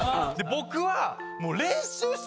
僕は。